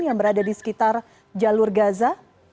yang berada di sekitar jalur gaza